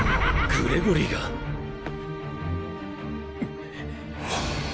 グレゴリーが⁉っ！